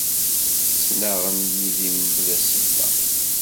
Ttnaɣen yid-i mebla ssebba.